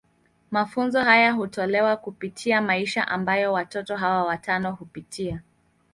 Mafunzo haya hutolewa kupitia maisha ambayo watoto hawa watano hupitia.